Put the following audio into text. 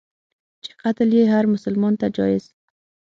چي قتل یې هرمسلمان ته جایز.